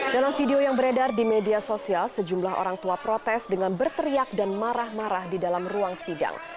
dalam video yang beredar di media sosial sejumlah orang tua protes dengan berteriak dan marah marah di dalam ruang sidang